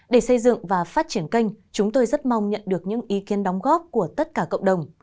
để xây dựng và phát triển kênh chúng tôi rất mong nhận được những ý kiến đóng góp của tất cả cộng đồng